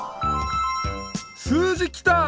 数字きた！